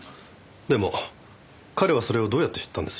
でも彼はそれをどうやって知ったんです？